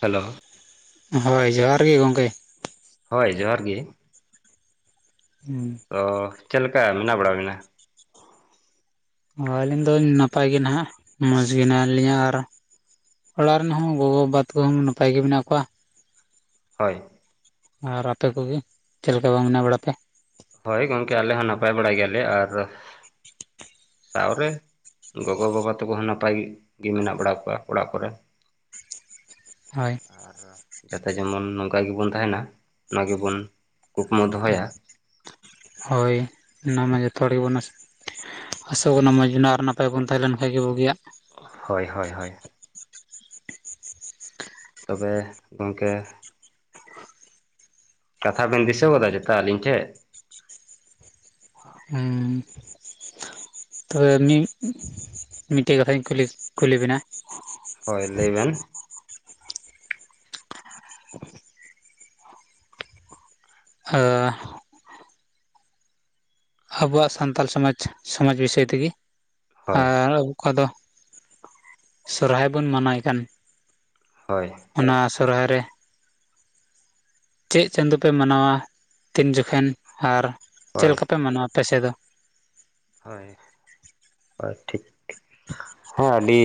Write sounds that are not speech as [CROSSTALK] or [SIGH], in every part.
Hello? ᱦᱳᱭ ᱡᱚᱦᱟᱨ ᱜᱮ ᱜᱚᱢᱠᱮ᱾ ᱦᱳᱭ ᱡᱚᱦᱟᱨ ᱜᱮ᱾ ᱦᱩᱸ᱾ ᱛᱚ ᱪᱮᱫ ᱞᱮᱠᱟ ᱢᱮᱱᱟᱜ ᱵᱟᱲᱟ ᱵᱮᱱᱟ? ᱚ ᱟᱹᱞᱤᱧ ᱫᱚ ᱱᱟᱯᱟᱭ ᱜᱮ ᱱᱟᱦᱟᱜ, ᱢᱚᱸᱡᱽ ᱜᱮ ᱦᱮᱱᱟᱜ ᱞᱤᱧᱟ ᱟᱨ ᱚᱲᱟᱜ ᱨᱮᱱ ᱦᱚᱸ ᱜᱚᱜᱚᱼᱵᱟᱵᱟ ᱛᱟᱠᱚ ᱦᱚᱸ ᱱᱟᱯᱟᱭ ᱜᱮ ᱢᱮᱱᱟᱜ ᱠᱚᱣᱟ? ᱦᱳᱭ᱾ ᱟᱨ ᱟᱯᱮ ᱠᱚᱜᱮ ᱪᱮᱫ ᱞᱮᱠᱟ ᱵᱟᱝ ᱵᱮᱱᱟᱣ ᱵᱟᱲᱟ ᱯᱮᱭᱟ? ᱦᱳᱭ ᱜᱚᱝᱠᱮ ᱟᱞᱮ ᱦᱚᱸ ᱱᱟᱯᱟᱭ ᱵᱟᱲᱟ ᱜᱮᱭᱟᱞᱮ ᱟᱨ ᱥᱟᱶᱨᱮ ᱜᱚᱜᱚᱼᱵᱟᱵᱟ ᱛᱟᱠᱚ ᱦᱚᱸ ᱱᱟᱯᱟᱭ ᱜᱮ ᱢᱮᱱᱟᱜ ᱵᱟᱲᱟ ᱠᱚᱣᱟ ᱚᱲᱟᱜ ᱠᱚᱨᱮ ᱾ [INAUDIBLE] ᱦᱳᱭ ᱾ ᱟᱨ ᱡᱟᱛᱮ ᱡᱮᱢᱚᱱ ᱱᱚᱝᱠᱟ ᱜᱮᱵᱚᱱ ᱛᱟᱦᱮᱱᱟ ᱱᱚᱣᱟ ᱜᱮᱵᱚᱱ ᱠᱩᱠᱢᱩ ᱫᱚᱦᱚᱭᱟ᱾ ᱦᱳᱭ ᱚᱱᱟ ᱢᱟ ᱡᱚᱛᱚ ᱦᱚᱲ ᱜᱮᱵᱚᱱ ᱟᱥᱚᱜ ᱠᱟᱱᱟ ᱢᱚᱡᱽ ᱜᱮ ᱟᱨ ᱱᱟᱯᱟᱭ ᱵᱚᱱ ᱛᱟᱦᱮᱸ ᱞᱮᱱ ᱠᱷᱟᱱ ᱜᱮ ᱵᱩᱜᱤᱭᱟᱜ᱾ ᱦᱳᱭ, ᱦᱳᱭ-ᱦᱳᱭ᱾ ᱛᱚᱵᱮ ᱜᱚᱝᱠᱮ ᱠᱟᱛᱷᱟ ᱵᱮᱱ ᱫᱤᱥᱟᱹᱣ ᱜᱚᱫᱟ ᱡᱚᱛᱚ ᱟᱹᱞᱤᱧ ᱴᱷᱮᱱ? ᱦᱩᱸ᱾ ᱛᱚᱵᱮ ᱢᱤᱫ, ᱢᱤᱫᱴᱮᱡ ᱠᱟᱛᱷᱟᱧ ᱠᱩᱞᱤ ᱵᱮᱱᱟ? ᱦᱳᱭ ᱞᱟᱹᱭ ᱵᱮᱱ᱾ [INAUDIBLE] ᱟᱨ᱾ ᱟᱵᱚᱣᱟᱜ ᱥᱟᱱᱛᱟᱞ ᱥᱚᱢᱟᱡᱽ, ᱥᱚᱢᱟᱡᱽ ᱵᱤᱥᱚᱭ ᱛᱮᱜᱮ ᱦᱳᱭ ᱟᱨ᱾ ᱚᱠᱟ ᱫᱚ ᱥᱚᱨᱦᱟᱭ ᱵᱚᱱ ᱢᱟᱱᱟᱣ ᱠᱟᱱ ᱦᱳᱭ᱾ ᱚᱱᱟ ᱥᱚᱨᱦᱟᱭ ᱨᱮ ᱪᱮᱫ ᱪᱟᱸᱫᱚ ᱯᱮ ᱢᱟᱱᱟᱣᱟ ᱛᱤᱱ ᱡᱚᱠᱷᱮᱱ ᱟᱨ ᱪᱮᱫ ᱦᱳᱭ ᱞᱮᱠᱟᱯᱮ ᱢᱟᱱᱟᱣᱟ ᱟᱯᱮᱥᱮᱫ ᱫᱚ? ᱦᱳᱭ, ᱦᱳᱭ ᱴᱷᱤᱠ᱾ ᱦᱮᱸ ᱟᱹᱰᱤ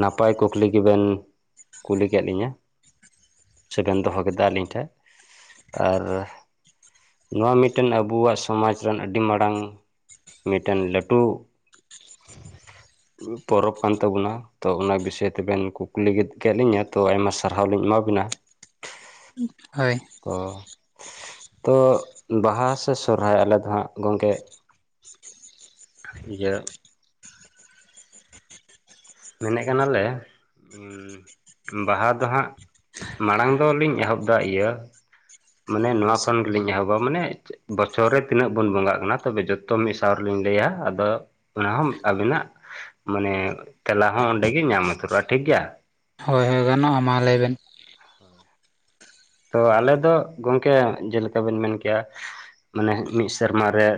ᱱᱟᱯᱟᱭ ᱠᱩᱠᱞᱤ ᱜᱮᱵᱮᱱ ᱠᱩᱞᱤ ᱠᱮᱫ ᱞᱤᱧᱟᱹ? ᱥᱮ ᱵᱮᱱ ᱫᱚᱦᱚ ᱠᱮᱫᱟ ᱟᱹᱞᱤᱧ ᱴᱷᱮᱱ ᱟᱨ ᱱᱚᱣᱟ ᱢᱤᱫᱴᱮᱱ ᱟᱵᱚᱣᱟᱜ ᱥᱚᱢᱟᱡᱽ ᱨᱮᱱ ᱟᱹᱰᱤ ᱢᱟᱨᱟᱝ ᱢᱤᱫᱴᱮᱱ ᱞᱟᱹᱴᱩ ᱯᱚᱨᱚᱵᱽ ᱠᱟᱱ ᱛᱟᱵᱚᱱᱟ ᱛᱚ ᱚᱱᱟ ᱵᱤᱥᱚᱭ ᱛᱮᱵᱮᱱ ᱠᱩᱠᱞᱤ ᱠᱮᱫ ᱞᱤᱧᱟᱹ ᱛᱚ ᱟᱭᱢᱟ ᱥᱟᱨᱦᱟᱣ ᱞᱤᱧ ᱮᱢᱟ ᱵᱤᱱᱟ ᱦᱳᱭ ᱚ ᱛᱚ ᱵᱟᱦᱟ ᱥᱮ ᱥᱚᱨᱦᱟᱭ ᱟᱞᱮ ᱫᱚ ᱦᱟᱸᱜ ᱜᱚᱝᱠᱮ ᱤᱭᱟᱹ ᱢᱮᱱᱮᱫ ᱠᱟᱱᱟᱞᱮ ᱵᱟᱦᱟ ᱫᱚ ᱦᱟᱸᱜ ᱢᱟᱲᱟᱝ ᱫᱚᱞᱤᱧ ᱮᱦᱚᱵ ᱫᱟ ᱤᱭᱟᱹ ᱢᱟᱱᱮ ᱱᱚᱣᱟ ᱠᱷᱚᱱ ᱜᱮᱞᱤᱧ ᱮᱦᱚᱵᱟ ᱢᱟᱱᱮ ᱵᱚᱪᱷᱚᱨ ᱨᱮ ᱛᱤᱱᱟᱹᱜ ᱵᱚᱱ ᱵᱚᱸᱜᱟᱜ ᱠᱟᱱᱟ ᱛᱚᱵᱮ ᱡᱚᱛ ᱛᱚ ᱢᱤᱫ ᱥᱟᱶ ᱨᱮᱞᱤᱧ ᱞᱟᱹᱭᱟ ᱟᱫᱚ ᱚᱱᱟ ᱦᱚᱸ ᱟᱹᱵᱤᱱᱟᱜ ᱢᱟᱱᱮ ᱛᱮᱞᱟ ᱦᱚᱸ ᱚᱸᱰᱮᱜᱤ ᱧᱟᱢ ᱩᱛᱟᱹᱨᱚᱜᱼᱟ ᱴᱷᱤᱠ ᱜᱮᱭᱟ ᱦᱚᱭ ᱦᱚᱭ ᱜᱟᱱᱚᱜᱼᱟ ᱢᱟ ᱞᱟᱹᱭᱵᱮᱱ [INAUDIBLE] ᱛᱚ ᱟᱞᱮ ᱫᱚ ᱜᱚᱢᱠᱮ ᱡᱮᱞᱮᱠᱟ ᱵᱮᱱ ᱢᱮᱱ ᱠᱮᱭᱟ ᱢᱟᱱᱮ ᱢᱤᱫ ᱥᱮᱨᱢᱟ ᱨᱮ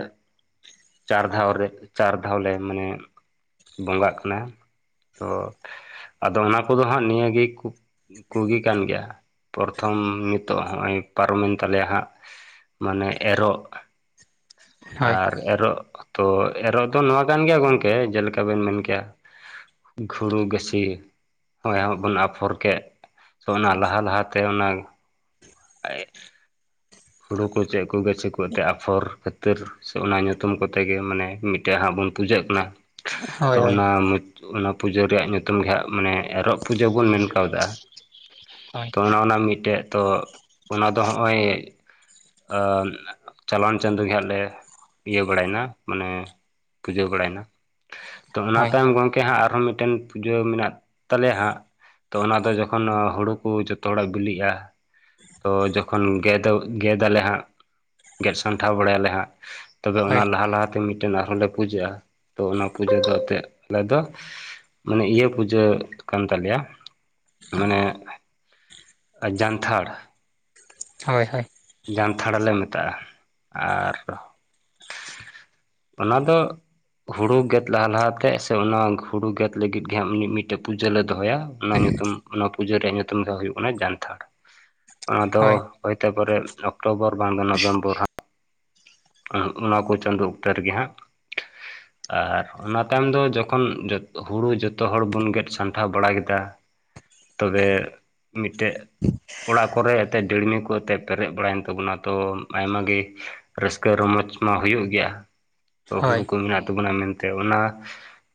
ᱪᱟᱨ ᱫᱷᱟᱣ ᱨᱮ ᱪᱟᱨ ᱫᱷᱟᱣ ᱞᱮ ᱢᱟᱱᱮ ᱵᱚᱸᱜᱟᱜ ᱠᱟᱱᱟ ᱛᱚ ᱟᱫᱚ ᱚᱱᱟ ᱠᱚᱫᱚ ᱦᱟᱸᱜ ᱱᱤᱭᱟᱹ ᱜᱮ ᱠᱩ ᱠᱩᱜᱮ ᱠᱟᱱ ᱜᱮᱭᱟ ᱯᱚᱨᱛᱷᱚ ᱛᱷᱚᱢ ᱱᱤᱛᱚᱜ ᱦᱚᱸᱜᱼᱚᱭ ᱯᱟᱨᱚᱢᱮᱱ ᱛᱟᱞᱮᱭᱟ ᱦᱟᱸᱜ ᱢᱟᱱᱮ ᱮᱨᱚᱜ ᱦᱳᱭ ᱟᱨ ᱮᱨᱚᱜ ᱛᱚ ᱮᱨᱚᱜ ᱫᱚ ᱱᱚᱣᱟ ᱠᱟᱱ ᱜᱮᱭᱟ ᱜᱚᱝᱠᱮ ᱡᱮᱞᱮᱠᱟ ᱵᱮᱱ ᱢᱮᱱ ᱠᱮᱭᱟ ᱜᱷᱩᱲᱩ ᱜᱟᱹᱪᱷᱤ ᱦᱚᱜ ᱚᱭ ᱦᱟᱸᱜ ᱵᱚᱱ ᱟᱯᱷᱚᱨ ᱠᱮᱫ ᱛᱚ ᱚᱱᱟ ᱞᱟᱦᱟ ᱞᱟᱦᱟᱛᱮ ᱚᱱᱟ [UNINTELLIGIBLE] ᱦᱩᱲᱩ ᱠᱚ ᱪᱮᱫ ᱠᱚ ᱜᱟᱹᱪᱷᱤ ᱠᱚ ᱟᱛᱮᱫ ᱟᱯᱷᱚᱨ ᱠᱷᱟᱹᱛᱤᱨ ᱥᱮ ᱚᱱᱟ ᱧᱩᱛᱩᱢ ᱠᱚᱛᱮ ᱜᱮ ᱢᱟᱱᱮ ᱢᱤᱫ ᱴᱮᱱ ᱦᱟᱸᱜ ᱵᱚᱱ ᱯᱩᱡᱟᱹᱜ ᱠᱟᱱᱟ ᱛᱚ ᱦᱳᱭ ᱦᱳᱭ ᱚᱱᱟ ᱚᱱᱟ ᱯᱩᱡᱟᱹ ᱨᱮᱭᱟᱜ ᱧᱩᱛᱩᱢ ᱜᱮ ᱦᱟᱸᱜ ᱢᱟᱱᱮ ᱮᱨᱚᱜ ᱯᱩᱡᱟᱹ ᱵᱚᱱ ᱢᱮᱱ ᱠᱟᱣᱫᱟᱜ ᱟ ᱦᱳᱭ ᱛᱚ ᱚᱱᱮ ᱚᱱᱟ ᱢᱤᱫᱴᱮᱡ ᱛᱚ ᱚᱱᱟ ᱫᱚ ᱦᱚᱸᱜᱼᱚᱭ ᱟ ᱪᱟᱞᱟᱣᱮᱱ ᱪᱟᱸᱫᱳ ᱜᱮ ᱦᱟᱜ ᱞᱮ ᱤᱭᱟᱹ ᱵᱟᱲᱟᱭᱱᱟ ᱢᱟᱱᱮ ᱯᱩᱡᱟᱹ ᱵᱟᱲᱟᱭᱱᱟ ᱛᱚ ᱚᱱᱟ ᱦᱳᱭ ᱛᱟᱭᱚᱢ ᱜᱚᱝ ᱠᱮ ᱦᱟᱸᱜ ᱟᱨᱦᱚᱸ ᱢᱤᱫᱴᱮᱱ ᱯᱩᱡᱟᱹ ᱢᱮᱱᱟᱜ ᱛᱟᱞᱮᱭᱟ ᱦᱟᱸᱜ ᱛᱚ ᱚᱱᱟᱫᱚ ᱡᱚᱠᱷᱚᱱ ᱦᱩᱲᱩ ᱠᱚ ᱡᱚᱛᱚ ᱦᱚᱲᱟᱜ ᱵᱤᱞᱤᱜᱼᱟ ᱛᱚ ᱡᱚᱠᱷᱚᱱ ᱜᱮᱫᱚᱜ ᱜᱮᱫ ᱛᱟᱞᱦᱮ ᱦᱟᱸᱜ ᱜᱮᱫ ᱥᱟᱢᱴᱟᱣ ᱵᱟᱲᱟᱭᱟᱞᱮ ᱦᱟᱸᱜ ᱛᱚᱵᱮ ᱚᱱᱟ ᱦᱳᱭ ᱞᱟᱦᱟ ᱞᱟᱦᱟᱛᱮ ᱢᱤᱫ ᱢᱤᱫᱴᱮᱱ ᱟᱨᱦᱚᱸᱞᱮ ᱯᱩᱡᱟᱹᱜᱼᱟ ᱛᱚ ᱚᱱᱟ ᱯᱩᱡᱟᱹ ᱫᱚ ᱮᱱᱛᱮᱫ ᱟᱞᱮ ᱫᱚ ᱢᱟᱱᱮ ᱤᱭᱟᱹ ᱯᱩᱡᱟᱹ ᱠᱟᱱ ᱛᱟᱞᱮᱭᱟ ᱢᱟᱱᱮ ᱟ ᱡᱟᱱᱛᱷᱟᱲ ᱦᱳᱭ ᱦᱳᱭ ᱡᱟᱱᱛᱷᱟᱲ ᱞᱮ ᱢᱮᱛᱟᱜᱼᱟ ᱟᱨ ᱚᱱᱟ ᱫᱚ ᱦᱩᱲᱩ ᱜᱮᱫ ᱞᱟᱦᱟ ᱞᱟᱦᱟᱛᱮ ᱥᱮ ᱚᱱᱟ ᱦᱩᱲᱩ ᱜᱮᱫ ᱞᱟᱹᱜᱤᱫ ᱜᱮ ᱦᱟᱸᱜ ᱢᱤᱫ ᱢᱤᱫᱴᱮᱡ ᱯᱩᱡᱟᱹ ᱞᱮ ᱫᱚᱦᱚᱭᱟ ᱚᱱᱟ ᱧᱩᱛᱩᱢ ᱚᱱᱟ ᱯᱩᱡᱟᱹ ᱨᱮᱭᱟᱜ ᱧᱩᱛᱩᱢ ᱫᱚ ᱦᱩᱭᱩᱜ ᱠᱟᱱᱟ ᱡᱟᱱᱛᱷᱟᱲ ᱚᱱᱟ ᱫᱚ ᱦᱳᱭ ᱦᱚᱭᱛᱮ ᱯᱚᱨᱮ ᱚᱠᱴᱳᱵᱚᱨ ᱵᱟᱝ ᱫᱚ ᱱᱚᱵᱷᱮᱢᱵᱚᱨ ᱦᱟᱸᱜ ᱚᱱᱟ ᱠᱚ ᱪᱟᱸᱫᱳ ᱚᱠᱛᱚ ᱨᱮᱜᱮ ᱦᱟᱸᱜ ᱟᱨ ᱚᱱᱟ ᱛᱟᱭᱚᱢ ᱫᱚ ᱡᱚᱠᱷᱚᱱ ᱡᱚ ᱦᱩᱲᱩ ᱡᱚᱛᱚ ᱦᱚᱲ ᱵᱚᱱ ᱜᱮᱫ ᱥᱟᱢᱴᱟᱣ ᱵᱟᱲᱟ ᱠᱮᱫᱟ ᱛᱚᱵᱮ ᱢᱤᱫᱴᱮᱡ ᱚᱲᱟᱜ ᱠᱚᱨᱮ ᱮᱱᱛᱮᱫ ᱰᱤᱲᱢᱤ ᱠᱚ ᱟᱛᱮᱫ ᱯᱮᱨᱮᱡ ᱵᱟᱲᱟᱭᱮᱱ ᱛᱟᱵᱚᱱᱟ ᱛᱚ ᱟᱭᱢᱟ ᱜᱮ ᱨᱟᱹᱥᱠᱟᱹ ᱨᱚᱢᱚᱡᱽ ᱢᱟ ᱦᱩᱭᱩᱜ ᱜᱮᱭᱟ ᱛᱚ ᱦᱳᱭ ᱦᱳᱭ ᱦᱩᱲᱩ ᱠᱚ ᱢᱮᱱᱟᱜ ᱛᱟᱵᱚᱱᱟ ᱢᱮᱱᱛᱮ ᱚᱱᱟ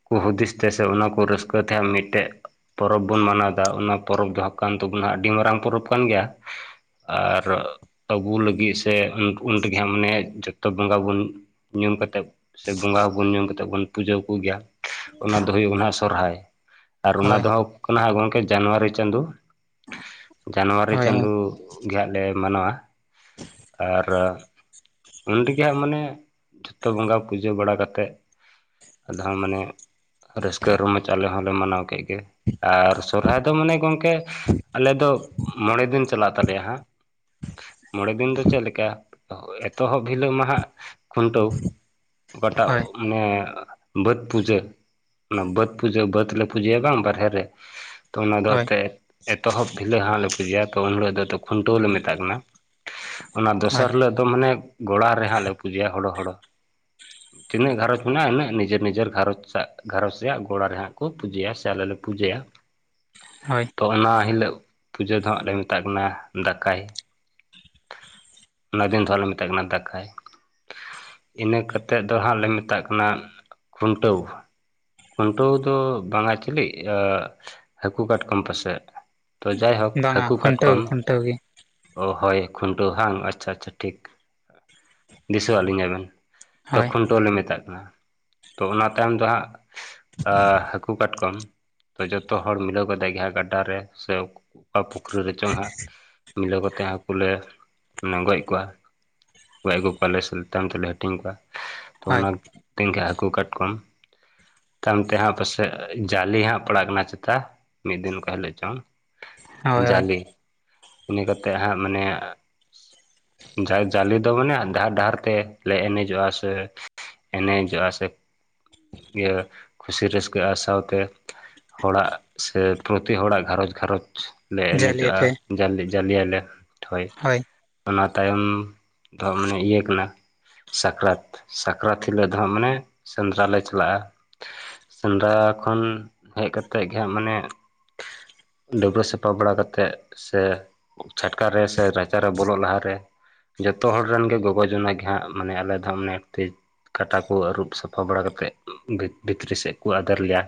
ᱠᱚ ᱦᱩᱫᱤᱥ ᱛᱮ ᱥᱮ ᱚᱱᱟ ᱠᱚ ᱨᱟᱹᱥᱠᱟᱹ ᱛᱮ ᱢᱤᱫᱴᱮᱡ ᱯᱚᱨᱚᱵᱽ ᱵᱚᱱ ᱢᱟᱱᱟᱣᱫᱟ ᱚᱱᱟ ᱯᱚᱨᱚᱵᱽ ᱫᱚ ᱠᱟᱱ ᱛᱟᱵᱚᱱᱟ ᱟᱹᱰᱤ ᱢᱟᱨᱟᱝ ᱯᱚᱨᱚᱵᱽ ᱠᱟᱱ ᱜᱮᱭᱟ ᱟᱨ ᱟᱹᱵᱩ ᱞᱟᱹᱜᱤᱫ ᱥᱮ ᱩᱱ ᱨᱮᱜᱮ ᱦᱟᱸᱜ ᱢᱟᱱᱮ ᱡᱚᱛᱚ ᱵᱚᱸᱜᱟ ᱵᱚᱱ ᱧᱩᱢ ᱠᱟᱛᱮᱫ ᱥᱮ ᱵᱚᱸᱜᱟ ᱦᱚᱵᱚᱱ ᱧᱩᱢ ᱠᱟᱛᱮᱫ ᱵᱚᱱ ᱯᱩᱡᱟᱹ ᱠᱚᱜᱮᱭᱟ ᱚᱱᱟ ᱫᱚ ᱦᱩᱭᱩᱜ ᱠᱟᱱᱟ ᱥᱚᱨᱦᱟᱭ ᱟᱨ ᱚᱱᱟ ᱦᱳᱭ ᱫᱚ ᱦᱟᱸᱜ ᱠᱟᱱᱟ ᱜᱚᱢᱠᱮ ᱡᱟᱱᱩᱣᱟᱨᱤ ᱪᱟᱸᱫᱳ᱾ ᱡᱟᱱᱩᱣᱟᱨᱤ ᱦᱳᱭ ᱪᱟᱸᱫᱩ ᱜᱮ ᱦᱟᱸᱜ ᱞᱮ ᱢᱟᱱᱟᱣᱟ ᱟᱨ ᱩᱱ ᱨᱮᱜᱮ ᱦᱟᱸᱜ ᱢᱟᱱᱮ ᱡᱷᱚᱛᱚ ᱵᱚᱸᱜᱟ ᱯᱩᱡᱟᱹ ᱵᱟᱲᱟ ᱠᱟᱛᱮᱫ, ᱟᱫᱚ ᱦᱟᱸᱜ ᱢᱟᱱᱮ ᱨᱟᱹᱥᱠᱟᱹ ᱨᱚᱢᱚᱡᱽ ᱟᱞᱮ ᱦᱚᱸᱞᱮ ᱢᱟᱱᱟᱣ ᱠᱮᱫ ᱜᱮ᱾ ᱟᱨ ᱥᱚᱨᱦᱟᱭ ᱫᱚ ᱢᱟᱱᱮ ᱜᱚᱝᱠᱮ ᱟᱞᱮ ᱫᱚ ᱢᱚᱬᱮ ᱫᱤᱱ ᱪᱟᱞᱟᱜ ᱛᱟᱞᱮᱭᱟ ᱦᱟᱸᱜ᱾ ᱢᱚᱬᱮ ᱫᱤᱱ ᱫᱚ ᱪᱮᱫ ᱞᱮᱠᱟ? ᱮᱛᱚᱦᱚᱵ ᱦᱤᱞᱳᱜ ᱢᱟ ᱦᱟᱸᱜ ᱠᱷᱩᱱᱴᱟᱹᱣ, ᱵᱟᱴᱟᱣ ᱢᱟᱱᱮ ᱵᱟᱹᱫᱽ ᱯᱩᱡᱟᱹ? ᱚᱱᱟ ᱵᱟᱹᱫᱽ ᱯᱩᱡᱟᱹ ᱵᱟᱹᱫᱽ ᱞᱮ ᱯᱩᱡᱟᱹᱭᱟ ᱵᱟᱝ ᱵᱟᱨᱦᱮ ᱨᱮ ᱛᱚ ᱚᱱᱟ ᱫᱚ ᱦᱳᱭ ᱚᱛᱮ ᱮᱛᱚᱦᱚᱵ ᱵᱷᱤᱞᱟᱹ ᱦᱟᱸᱜ ᱦᱟᱸᱜ ᱞᱮ ᱯᱩᱡᱟᱹᱭᱟ᱾ ᱛᱚ ᱩᱱ ᱦᱤᱲᱚᱜ ᱫᱚ ᱛᱚ ᱠᱷᱩᱱᱴᱟᱹᱣᱞ ᱞᱮ ᱢᱮᱛᱟᱜ ᱠᱟᱱᱟ᱾ ᱚᱱᱟ ᱦᱳᱭ ᱫᱚᱥᱟᱨ ᱦᱤᱞᱳᱜ ᱫᱚ ᱢᱟᱱᱮ ᱜᱚᱲᱟ ᱨᱮ ᱦᱟᱸᱜ ᱞᱮ ᱯᱩᱡᱟᱹᱭᱟ ᱦᱳᱲᱳ ᱦᱳᱲᱳ᱾ ᱛᱤᱱᱟᱹᱜ ᱜᱷᱟᱨᱚᱸᱡᱽ ᱢᱮᱱᱟᱜᱼᱟ ᱤᱱᱟᱹᱜ ᱱᱤᱡᱮᱨ ᱱᱤᱡᱮᱨ ᱜᱷᱟᱨᱚᱸᱡᱽ ᱥᱟᱜ ᱜᱷᱟᱨᱨᱚᱸᱡᱽ ᱨᱮᱭᱟᱜ ᱜᱚᱲᱟ ᱨᱮ ᱦᱟᱸᱜ ᱠᱚ ᱯᱩᱡᱟᱹᱭᱟ ᱥᱮ ᱟᱞᱮ ᱞᱮ ᱯᱩᱡᱟᱹᱭᱟ᱾ ᱦᱳᱭ ᱛᱚ ᱚᱱᱟ ᱦᱤᱞᱟᱹᱜ ᱯᱩᱡᱟᱹ ᱫᱚ ᱦᱟᱸᱜ ᱞᱮ ᱢᱮᱛᱟᱜ ᱠᱟᱱᱟ ᱫᱟᱠᱟᱭ᱾ ᱚᱱᱟ ᱫᱤᱱ ᱫᱚ ᱦᱟᱸᱜ ᱞᱮ ᱢᱮ ᱢᱮᱛᱟᱜ ᱠᱟᱱᱟ ᱫᱟᱠᱟᱭ᱾ ᱤᱱᱟᱹ ᱠᱟᱛᱮᱫ ᱫᱚ ᱦᱟᱸᱜ ᱞᱮ ᱢᱮᱛᱟᱜ ᱠᱟᱱᱟ ᱠᱷᱩᱱᱴᱟᱹᱣ᱾ ᱠᱷᱩᱱᱴᱟᱹᱣ ᱫᱚ ᱵᱟᱝᱟ ᱟᱹ ᱪᱮᱞᱮᱫ ᱦᱟᱹᱠᱩ ᱠᱟᱴᱠᱚᱢ ᱯᱟᱥᱮᱜ᱾ ᱛᱚ ᱡᱟᱦᱟᱸᱭ ᱦᱟᱹᱠ ᱵᱟᱝᱟ ᱦᱟᱹᱠᱩ ᱠᱷᱩᱱᱴᱟᱹᱣ ᱠᱟᱴᱠᱚᱢ ᱜᱮ ᱠᱷᱩᱱᱴᱟᱹᱣ ᱜᱮ ᱚ ᱦᱳᱭ ᱠᱷᱩᱱᱴᱟᱹᱣ ᱦᱟᱝ ᱟᱪᱪᱷᱟ ᱟᱪᱪᱷᱟ ᱴᱷᱤᱠ ᱫᱤᱥᱟᱹ ᱟᱫ-ᱞᱤᱝᱟ ᱵᱤᱱ᱾ ᱛᱚ ᱦᱳᱭ ᱠᱷᱩᱱᱴᱟᱹᱣ ᱞᱮ ᱢᱮᱛᱟᱜ ᱠᱟᱱᱟ᱾ ᱛᱚ ᱚᱱᱟ ᱛᱟᱭᱚᱢ ᱫᱚ ᱦᱟᱸᱜ᱾ ᱟᱻ ᱦᱟᱹᱠᱩ ᱠᱟᱴᱠᱚᱢ᱾ ᱛᱚ ᱡᱚᱛᱚ ᱦᱚᱲ ᱢᱤᱞᱟᱹᱣ ᱠᱟᱛᱮ ᱜᱮ ᱦᱟᱸᱜ ᱜᱟᱰᱰᱷᱟ ᱨᱮ ᱥᱮ ᱚᱠ ᱚᱠᱟ ᱯᱩᱠᱷᱨᱤ ᱨᱮᱪᱚᱝ ᱦᱟᱸᱜ ᱢᱤᱞᱟᱹᱣ ᱠᱟᱛᱮ ᱦᱟᱹᱠᱩᱞᱮ [UNINTELLIGIBLE] ᱜᱚᱡ ᱠᱚᱣᱟ᱾ ᱜᱚᱡ ᱟᱹᱜᱩ ᱠᱚᱣᱟᱞᱮ ᱛᱟᱭᱚᱢ ᱛᱮᱞᱮ ᱦᱟᱹᱴᱤᱧ ᱠᱚᱣᱟ᱾ ᱛᱚ ᱦᱳᱭ ᱚᱱᱟ ᱛᱮᱦᱟᱸᱜ ᱦᱟᱹᱠᱩ ᱠᱟᱴᱠᱢ᱾ ᱛᱟᱭᱚᱢ ᱛᱮ ᱦᱟᱸᱜ ᱯᱟᱥᱮᱡ ᱡᱟᱞᱮ ᱦᱟᱸᱜ ᱯᱟᱲᱟᱜ ᱠᱟᱱᱟ ᱪᱮᱛᱟ, ᱢᱤᱫ ᱫᱤᱱ ᱚᱠᱟ ᱦᱤᱞᱳᱜ ᱪᱚᱝ᱾ ᱦᱳᱭ ᱦᱳᱭ ᱡᱟᱞᱮ᱾ ᱤᱱᱟᱹ ᱠᱟᱛᱮ ᱦᱟᱸᱜ ᱢᱟᱱᱮ ᱡᱟ ᱡᱟᱞᱮ ᱫᱚ ᱢᱟᱱᱮ ᱰᱟᱦᱟᱨ ᱰᱟᱦᱟᱨ ᱛᱮᱞᱮ ᱮᱱᱮᱡᱚᱜᱼᱟ ᱥᱮ ᱮᱱᱮᱡᱚᱜᱼᱟ ᱥᱮ ᱤᱭᱟᱹ ᱠᱷᱩᱥᱤ ᱨᱟᱹᱥᱠᱟᱹᱜᱼᱟ ᱥᱟᱶᱛᱮ ᱦᱚᱲᱟᱜ ᱥᱮ ᱯᱨᱚᱛᱤ ᱦᱚᱲᱟᱜ ᱜᱷᱟᱨᱚᱸᱡᱽ ᱜᱷᱟᱨᱚᱸᱡᱽ ᱞᱮ ᱮᱱᱮᱡᱚᱜᱼᱟ ᱡᱟᱞᱮᱭᱟᱯᱮ ᱡᱟᱞᱮ ᱡᱟᱞᱮ ᱭᱟᱞᱮ᱾ ᱦᱳᱭ, ᱚᱱᱟ ᱛᱟᱭᱚᱢ ᱛᱚ ᱢᱟᱱᱮ ᱤᱭᱟᱹ ᱠᱟᱱᱟ᱾ ᱥᱟᱠᱨᱟᱛ, ᱥᱟᱠᱨᱟᱛ ᱦᱤᱞᱳᱜ ᱫᱚ ᱦᱟᱸᱜ ᱢᱟᱱᱮ ᱥᱮᱸᱫᱽᱨᱟ ᱞᱮ ᱪᱟᱞᱟᱜᱼᱟ᱾ ᱥᱮᱸᱫᱽᱨᱟ ᱠᱷᱚᱱ ᱦᱮᱡ ᱠᱟᱛᱮᱫ ᱜᱮ ᱦᱟᱸᱜ ᱢᱟᱱᱮ ᱰᱟᱹᱵᱽᱨᱟᱹ ᱥᱟᱯᱷᱟ ᱵᱟᱲᱟ ᱠᱟᱛᱮᱫ ᱥᱮ ᱪᱷᱟᱴᱠᱟ ᱨᱮ ᱥᱮ ᱨᱟᱪᱟ ᱨᱮ ᱵᱚᱞᱚᱜ ᱞᱟᱦᱟ ᱨᱮ ᱡᱚᱛᱚ ᱦᱚᱲ ᱨᱮᱱ ᱜᱮ ᱜᱚᱜᱚ ᱡᱚᱱᱟ ᱜᱮ ᱦᱟᱸᱜ ᱢᱟᱱᱮ ᱟᱞᱮ ᱫᱚ ᱦᱟᱸᱜ ᱢᱟᱱᱮ [UNINTELLIGIBLE] ᱠᱟᱴᱟ ᱠᱚ ᱟᱹᱨᱩᱵ ᱥᱟᱯᱷᱟ ᱵᱟᱲᱟ ᱠᱟᱛᱮᱫ ᱩᱸᱜ ᱵᱷᱤᱛ ᱵᱷᱤᱛᱨᱤ ᱥᱮᱫ ᱠᱚ ᱟᱫᱮᱨ ᱞᱮᱭᱟ᱾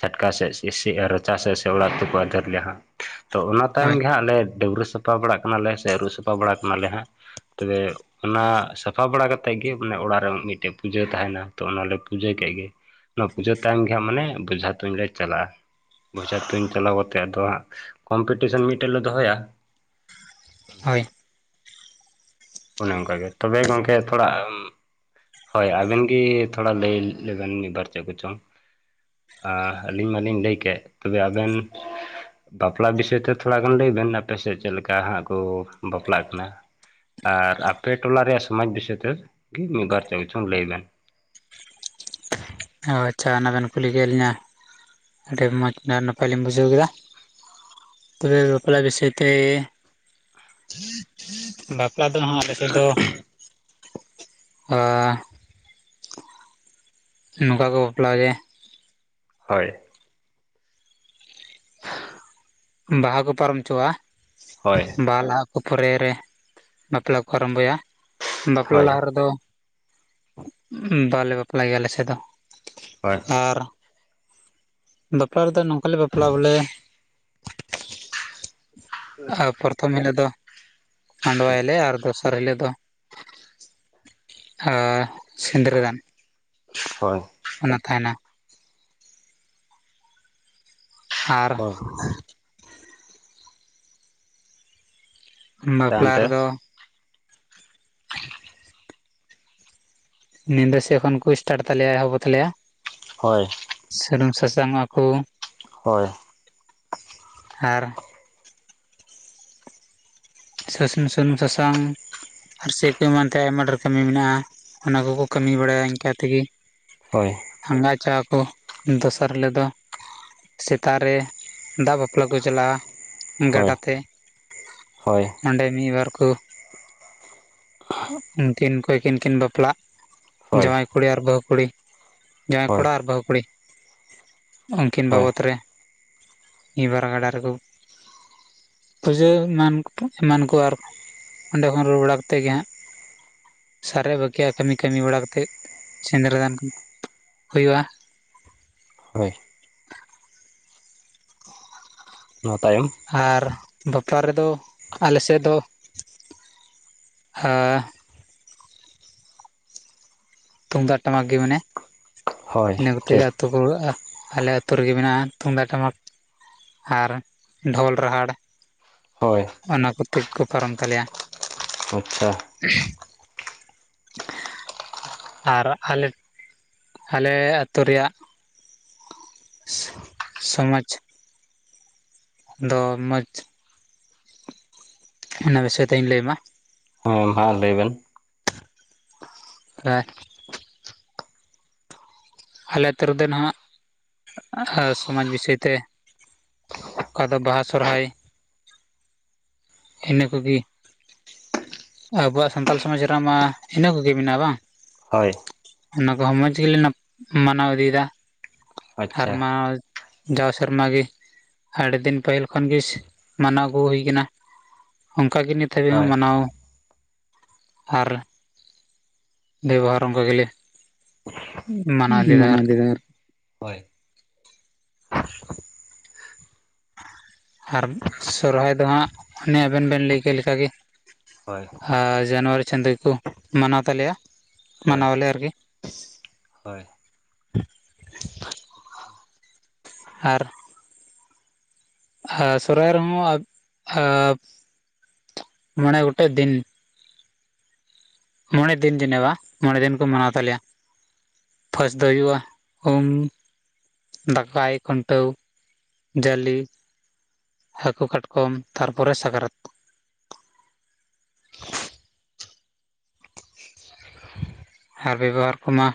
ᱪᱷᱴᱠᱟ ᱥᱮᱫ ᱥᱤᱥᱤ ᱟᱨ ᱨᱟᱪᱟ ᱥᱮᱫ ᱥᱮ ᱚᱲᱟᱜ ᱛᱮ ᱠᱚ ᱟᱫᱮᱨ ᱞᱮᱭᱟ ᱦᱟᱸᱜ᱾ ᱛᱚ ᱚᱱᱟ ᱛᱟᱭᱚᱢ ᱦᱳᱭ ᱜᱮ ᱦᱟᱸᱜ ᱞᱮ ᱰᱟᱹᱵᱽᱨᱟᱹ ᱥᱟᱯᱷᱟ ᱵᱟᱲᱟᱜ ᱠᱟᱱᱟᱞᱮ ᱥᱮ ᱟᱹᱨᱩᱵ ᱥᱟᱯᱷᱟ ᱵᱟᱲᱟᱜ ᱠᱟᱱᱟᱞᱮ ᱦᱟᱸᱜ᱾ ᱛᱚᱵᱮ᱾ ᱚᱱᱟ ᱥᱟᱯᱷᱟ ᱵᱟᱲᱟ ᱠᱟᱛᱮᱫ ᱜᱮ ᱢᱟᱱᱮ ᱚᱲᱟᱜ ᱨᱮ ᱢᱤᱫᱴᱮᱡ ᱯᱩᱡᱟᱹ ᱛᱟᱦᱮᱱᱟ᱾ ᱛᱚ ᱚᱱᱟᱞᱮ ᱯᱩᱡᱟᱹ ᱠᱮᱫ ᱜᱮ᱾ ᱚᱱᱟ ᱯᱩᱡᱟᱹ ᱛᱟᱭᱚᱢ ᱜᱮ ᱦᱟᱸᱜ ᱢᱟᱱᱮ ᱵᱚᱡᱷᱟ ᱛᱩᱧ ᱞᱮ ᱪᱟᱞᱟᱜᱼᱟ᱾ ᱵᱚᱡᱷᱟ ᱛᱩᱧ ᱪᱟᱞᱟᱣ ᱠᱟᱛᱮᱫ, ᱛᱚ ᱦᱟᱸᱜ ᱠᱚᱢᱯᱤᱴᱤᱥᱮᱱ ᱢᱤᱫᱴᱮᱜ ᱞᱮ ᱫᱚᱦᱚᱭᱟ᱾ ᱟᱫᱚ ᱦᱳᱭ᱾ ᱚᱱᱮ ᱚᱱᱠᱟᱜᱮ᱾ ᱛᱚᱵᱮ ᱜᱚᱝᱠᱮ ᱛᱷᱚᱲᱟ ᱟᱹᱢᱻ ᱦᱳᱭ, ᱟᱵᱮᱱ ᱜᱮ ᱛᱷᱚᱲᱟ ᱞᱟᱹᱭ ᱞᱮᱵᱮᱱ ᱢᱤᱫ ᱵᱟᱨ ᱪᱮᱫ ᱠᱚᱪᱚᱝ᱾ ᱟ ᱟᱹᱞᱤᱧ ᱢᱟᱞᱤᱧ ᱞᱟᱹᱭ ᱠᱮᱫ ᱛᱚᱵᱮ ᱟᱵᱮᱱ᱾ ᱵᱟᱯᱞᱟ ᱵᱤᱥᱟᱹᱭ ᱛᱮ ᱛᱷᱚᱲᱟ ᱜᱟᱱ ᱞᱟᱹᱭ ᱵᱮᱱ᱾ ᱟᱯᱮᱥᱮᱫ ᱪᱮᱫ ᱞᱮᱠᱟ ᱦᱟᱸᱜ ᱠᱚ ᱵᱟᱯᱞᱟᱜ ᱠᱟᱱᱟ? ᱟᱨ ᱟᱯᱮ ᱴᱚᱞᱟ ᱨᱮᱭᱟᱜ ᱥᱚᱢᱟᱡᱽ ᱵᱤᱥᱟᱹᱭ ᱛᱮᱫ ᱜᱮ ᱢᱤᱫ ᱵᱟᱨ ᱪᱮᱫ ᱪᱷᱚᱝ ᱞᱟᱹᱭ ᱵᱮᱱ᱾ ᱚ ᱟᱪᱪᱷᱟ ᱚᱱᱟ ᱵᱮᱱ ᱠᱩᱞᱤ ᱠᱮᱫ ᱞᱤᱧᱟ᱾ ᱟᱹᱰᱤ ᱢᱚᱸᱡᱽ ᱱᱟᱯᱟᱭ ᱞᱤᱧ ᱵᱩᱡᱷᱟᱹᱣ ᱠᱮᱫᱟ᱾ ᱛᱚᱵᱮ ᱵᱟᱯᱞᱟ ᱵᱤᱥᱟᱹᱭ ᱛᱮ ᱵᱟᱯᱞᱟ ᱫᱚ ᱦᱟᱸᱜ ᱟᱞᱮ ᱥᱮᱫ ᱫᱚ ᱦᱟᱻ ᱱᱚᱝᱠᱟ ᱠᱚ ᱵᱟᱯᱞᱟ ᱜᱮ ᱾ ᱦᱳᱭ ᱾ ᱵᱟᱦᱟ ᱠᱚ ᱯᱟᱨᱚᱢ ᱦᱚᱪᱚᱣᱟ ᱦᱳᱭ ᱵᱟᱦᱟ ᱞᱟᱦᱟ ᱚ ᱯᱚᱨᱮ ᱨᱮ ᱵᱟᱯᱞᱟ ᱠᱚ ᱟᱨᱟᱢᱵᱷᱚᱭᱟ ᱵᱟᱯᱞᱟ ᱦᱳᱭ ᱞᱟᱦᱟ ᱨᱮᱫᱚ ᱵᱟᱞᱮ ᱵᱟᱯᱞᱟᱜ ᱜᱮᱭᱟ ᱟᱞᱮ ᱥᱮᱫ ᱫᱚ ᱦᱳᱭ ᱟᱨ ᱵᱟᱯᱞᱟ ᱨᱮᱫᱚ ᱱᱚᱝᱠᱟ ᱞᱮ ᱵᱟᱯᱞᱟ ᱵᱚᱞᱮ ᱟᱨ ᱯᱚᱛᱷᱚᱢ ᱦᱤᱞᱳᱜ ᱫᱚ ᱢᱟᱸᱰᱣᱟᱭᱟᱞᱮ, ᱟᱨ ᱫᱚᱥᱟᱨ ᱦᱤᱞᱳᱜ ᱫᱚ ᱦᱟᱻ ᱥᱤᱸᱫᱽᱨᱟᱹ ᱫᱟᱱ ᱦᱳᱭ ᱾ ᱚᱱᱟ ᱛᱟᱦᱮᱱᱟ ᱾ ᱟᱨ ᱦᱳᱭ ᱛᱟᱭᱚᱢ ᱵᱟᱯᱞᱟ ᱛᱮ ᱨᱮᱫᱚ [INAUDIBLE] ᱧᱤᱫᱟᱹ ᱥᱮ ᱮᱠᱷᱚᱱ ᱠᱚ ᱥᱴᱟᱴ ᱛᱟᱞᱮᱭᱟ ᱮᱦᱚᱵᱚᱜ ᱛᱟᱞᱮᱭᱟ ᱦᱳᱭ ᱾ ᱥᱩᱱᱩᱢ ᱥᱟᱥᱟᱝ ᱚᱜᱼᱟ ᱠᱚ ᱦᱳᱭ ᱾ ᱟᱨ ᱥᱮᱥᱩᱱ ᱥᱩᱱᱩᱢ ᱥᱟᱥᱟᱝ ᱟᱨ ᱥᱮ ᱠᱚ ᱮᱢᱟᱱ ᱛᱮ ᱟᱭᱢᱟ ᱰᱷᱮᱨ ᱠᱟᱹᱢᱤ ᱢᱮᱱᱟᱜᱼᱟ, ᱚᱱᱟ ᱠᱚᱠᱚ ᱠᱟᱹᱢᱤ ᱵᱟᱲᱟᱭᱟ ᱤᱱᱠᱟᱹ ᱛᱮᱜᱮ ᱦᱳᱭ ᱟᱸᱜᱟ ᱪᱟ ᱠᱚ ᱫᱚᱥᱟᱨ ᱦᱤᱞᱳᱜ ᱫᱚ ᱥᱮᱛᱟᱜ ᱨᱮ ᱫᱟᱜ ᱵᱟᱯᱞᱟ ᱠᱚ ᱪᱟᱞᱟᱜᱼᱟ, ᱦᱳᱭ ᱜᱟᱰᱟ ᱛᱮ ᱦᱳᱭ ᱾ ᱚᱸᱰᱮ ᱢᱤᱫ ᱵᱟᱨ ᱠᱚ ᱩᱱᱠᱤᱱ ᱚᱠᱚᱭ ᱠᱤᱱ ᱠᱤᱱ ᱵᱟᱯᱞᱟᱜ ᱦᱳᱭ ᱡᱟᱶᱟᱭ ᱠᱩᱲᱤ ᱟᱨ ᱵᱟᱹᱦᱩ ᱠᱩᱲᱤ, ᱡᱟᱶᱟᱭ ᱦᱳᱭ ᱠᱚᱲᱟ ᱟᱨ ᱵᱟᱹᱦᱩ ᱠᱩᱲᱤ ᱩᱱᱠᱤᱱ ᱦᱳᱭ ᱵᱟᱵᱚᱫ ᱨᱮ ᱱᱤᱭᱟᱹ ᱵᱟᱨ ᱜᱟᱰᱟ ᱨᱮᱠᱚ ᱯᱩᱡᱟᱹ ᱮᱢᱟᱱ ᱮᱢᱟᱱ ᱠᱚ ᱟᱨ ᱚᱸᱰᱮ ᱠᱷᱚᱱ ᱨᱩᱣᱟᱹᱲ ᱵᱟᱲᱟ ᱠᱟᱛᱮᱫ ᱜᱮ ᱦᱟᱸᱜ ᱥᱟᱨᱮ ᱵᱟᱠᱤᱭᱟᱜ ᱠᱟᱹᱢᱤ ᱠᱟᱹᱢᱤ ᱵᱟᱲᱟ ᱠᱟᱛᱮᱫ ᱥᱤᱱᱸᱫᱽᱨᱟᱹ ᱫᱟᱱ ᱦᱩᱭᱩᱜᱼᱟ᱾ ᱦᱳᱭ ᱱᱚᱣᱟ ᱛᱟᱭᱚᱢ ᱟᱨ ᱵᱟᱯᱞᱟ ᱨᱮᱫᱚ, ᱟᱞᱮ ᱥᱮᱫ ᱫᱚ ᱛᱩᱢᱫᱟᱜ ᱴᱟᱢᱟᱠ ᱜᱮ ᱢᱟᱱᱮ ᱦᱳᱭ ᱤᱱᱟᱹ ᱠᱚᱛᱮ ᱜᱮ ᱴᱷᱤᱠ ᱨᱩᱣᱟᱹᱜᱼᱟ ᱟᱞᱮ ᱟᱹᱛᱩ ᱨᱮᱜᱮ ᱢᱮᱱᱟᱜᱼᱟ ᱛᱩᱢᱫᱟᱜ ᱴᱟᱢᱟᱠ ᱟᱨ ᱰᱷᱳᱞ ᱨᱟᱦᱟᱲ ᱦᱳᱭ ᱾ ᱚᱱᱟ ᱠᱚᱛᱮ ᱜᱮᱠᱚ ᱯᱟᱨᱚᱢ ᱛᱟᱞᱮᱭᱟ ᱾ ᱟᱪᱪᱷᱟ ᱾ [UNINTELLIGIBLE] ᱟᱨ ᱟᱞᱮ ᱟᱞᱮ ᱟᱹᱛᱩ ᱨᱮᱭᱟᱜ ᱥᱚᱢᱟᱡᱽ ᱫᱚ ᱢᱚᱡᱽ ᱚᱱᱟ ᱵᱤᱥᱚᱭ ᱛᱮ ᱤᱧ ᱞᱟᱹᱭ ᱟᱢᱟ ᱦᱮᱸ ᱢᱟ ᱞᱟᱹᱭ ᱵᱮᱱ ᱦᱮᱸ ᱾ ᱟᱞᱮ ᱟᱹᱛᱩ ᱨᱮᱫᱚ ᱱᱟᱦᱟᱜ ᱥᱚᱢᱟᱡᱽ ᱵᱤᱥᱚᱭ ᱛᱮ ᱚᱠᱟ ᱫᱚ ᱵᱟᱦᱟ ᱥᱚᱨᱦᱟᱭ ᱤᱱᱟᱹ ᱠᱚᱜᱮ ᱟᱵᱚᱣᱟᱜ ᱥᱟᱱᱛᱟᱞ ᱥᱚᱢᱟᱡᱽ ᱨᱮᱱᱟᱜ ᱢᱟ ᱤᱱᱟᱹ ᱠᱚᱜᱮ ᱢᱮᱱᱟᱜᱼᱟ ᱵᱟᱝ? ᱦᱳᱭ ᱾ ᱚᱱᱟ ᱠᱚᱦᱚᱸ ᱢᱚᱸᱡᱽ ᱜᱮᱞᱮ ᱢᱟᱱᱟᱣ ᱤᱫᱤᱭᱮᱫᱟ ᱟᱨ ᱟᱪᱪᱷᱟ ᱢᱟᱱᱟᱣ ᱡᱟᱣ ᱥᱮᱨᱢᱟ ᱜᱮ ᱟᱹᱰᱤ ᱫᱤᱱ ᱯᱟᱹᱦᱤᱞ ᱠᱷᱚᱱ ᱜᱮ ᱢᱟᱱᱟᱣ ᱟᱹᱜᱩ ᱦᱩᱭ ᱠᱟᱱᱟ ᱚᱱᱠᱟ ᱜᱮ ᱱᱤᱛ ᱫᱷᱟᱹᱵᱤᱡ ᱦᱳᱭ ᱦᱚᱸ ᱢᱟᱱᱟᱣ ᱟᱨ ᱵᱮᱵᱚᱦᱟᱨ ᱚᱱᱠᱟ ᱜᱮᱞᱮ ᱢᱟᱱᱟᱣ ᱤᱫᱤᱭᱮᱫᱟ ᱟᱨᱠᱤ [UNINTELLIGIBLE] ᱦᱳᱭ ᱟᱨ ᱥᱚᱨᱦᱟᱭ ᱫᱚ ᱦᱟᱸᱜ ᱚᱱᱟ ᱟᱵᱮᱱ ᱵᱮᱱ ᱞᱟᱹᱭ ᱠᱮᱫ ᱞᱮᱠᱟᱜᱮ ᱦᱳᱭ ᱡᱟᱱᱩᱣᱟᱨᱤ ᱪᱟᱸᱫᱚ ᱠᱚ ᱢᱟᱱᱟᱣ ᱛᱟᱞᱮᱭᱟ ᱦᱳᱭ ᱢᱟᱱᱟᱣ ᱟᱞᱮ ᱟᱨᱠᱤ ᱦᱳᱭ ᱟᱪᱪᱷᱟ ᱟᱨ ᱟᱨ ᱥᱚᱨᱦᱟᱭ ᱨᱮᱦᱚᱸ ᱢᱚᱬᱮ ᱜᱚᱴᱮᱡ ᱫᱤᱱ ᱾ ᱢᱚᱬᱮ ᱫᱤᱱ ᱡᱮᱱ ᱵᱟ ᱢᱚᱬᱮ ᱫᱤᱱ ᱠᱚ ᱢᱟᱱᱟᱣ ᱛᱟᱞᱮᱭᱟ ᱾ ᱯᱷᱟᱥᱴ ᱫᱚ ᱦᱩᱭᱩᱜᱼᱟ ᱩᱢ ᱾ ᱫᱟᱠᱟᱭ, ᱠᱷᱩᱱᱴᱟᱹᱣ, ᱡᱟᱹᱞᱤ, ᱦᱟᱹᱠᱩ ᱠᱟᱴᱠᱚᱢ ᱛᱟᱨᱯᱚᱨᱮ ᱥᱟᱠᱨᱟᱛ ᱟᱨ ᱵᱮᱵᱚᱦᱟᱨ ᱠᱚᱢᱟ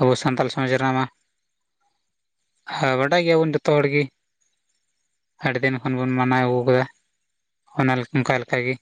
ᱟᱵᱚ ᱥᱟᱱᱛᱟᱞ ᱥᱚᱢᱟᱡᱽ ᱨᱮᱱᱟᱜ ᱢᱟ, ᱦᱮᱸᱵᱟᱰᱟᱭ ᱜᱮᱭᱟᱵᱚᱱ ᱡᱚᱛᱚ ᱦᱚᱲ ᱜᱤ, ᱟᱹᱰᱤ ᱫᱤᱱ ᱠᱷᱚᱱ ᱵᱚᱱ ᱢᱟᱱᱟᱣ ᱟᱹᱜᱩ ᱟᱠᱟᱫᱟ ᱚᱱᱟ ᱚᱱᱠᱟ ᱞᱮᱠᱟᱜ ᱜᱤ ᱾